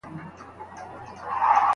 ولي ښځي باید بې سرپرسته نه وي؟